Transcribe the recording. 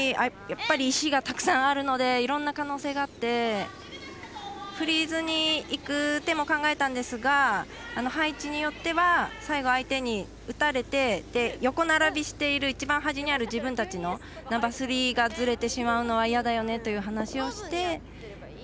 やっぱり石がたくさんあるのでいろんな可能性があってフリーズにいく手も考えたんですが配置によっては最後相手に打たれて横並びしている一番端にある自分たちのナンバースリーがずれてしまうのは嫌だよねという話をして。